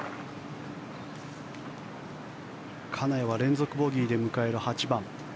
金谷は連続ボギーで迎える８番。